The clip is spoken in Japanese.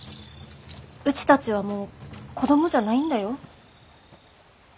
うちたちはもう子供じゃないんだよ。